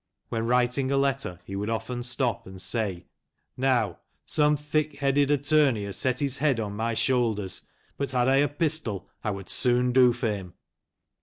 When writing a letter he would often stop and say, " Now, some thick headed attorney has set his head on my .shoulders, but had I a pistol I would soon do for him."